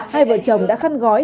hai vợ chồng đã khăn gói